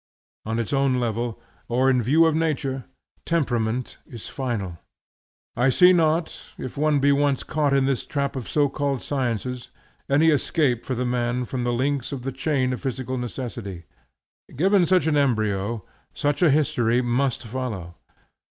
On its own level, or in view of nature, temperament is final. I see not, if one be once caught in this trap of so called sciences, any escape for the man from the links of the chain of physical necessity. Given such an embryo, such a history must follow.